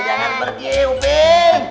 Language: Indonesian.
jangan pergi upin